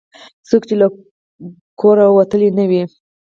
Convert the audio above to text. څوک چې له کوره وتلي نه وي.